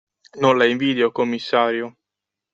Non la invidio, commissario.